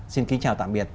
xin kính chào tạm biệt